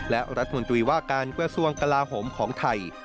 และรัฐมนตรีว่าการกระทรวงกลาโหมของไทย